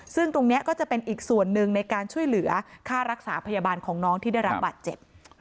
ซึ่งตรงนี้ก็จะเป็นอีกส่วนหนึ่งในการช่วยเหลือค่ารักษาพยาบาลของน้องที่ได้รับบาดเจ็บ